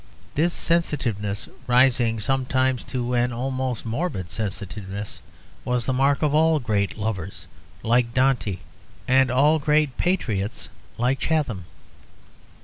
This sensitiveness, rising sometimes to an almost morbid sensitiveness, was the mark of all great lovers like Dante and all great patriots like Chatham.